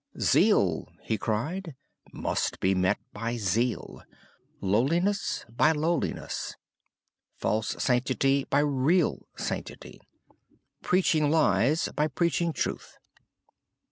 'Zeal,' he cried, 'must be met by zeal, lowliness by lowliness, false sanctity by real sanctity, preaching lies by preaching truth.'